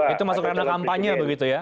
itu masuk ke dalam kampanye begitu ya